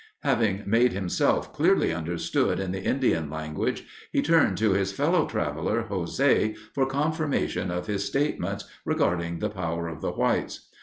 Having made himself clearly understood in the Indian language he turned to his fellow traveler, José, for confirmation of his statements regarding the power of the whites.